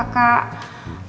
aku kan mau jogging